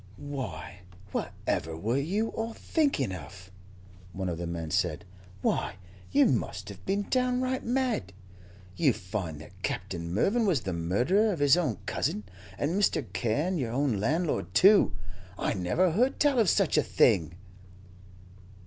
"Why, whatever were you all thinking of?" one of the men said. "Why, you must have been downright mad. You find that Captain Mervyn was the murderer of his own cousin, and Mr. Carne your own landlord, too! I never heard tell of such a thing."